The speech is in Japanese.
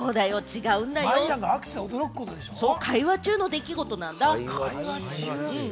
会話中の出来事なんだ。